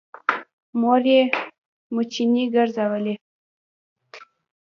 مور يې مېچنې ګرځولې